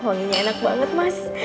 wanginya enak banget mas